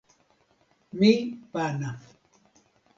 mi pana!